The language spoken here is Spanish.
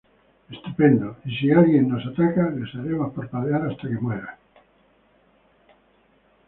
Estupendo. Y si alguien nos ataca, le haremos parpadear hasta que muera.